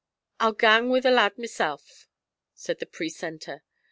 I'll gang wi' the lad mysel',' said the precentor.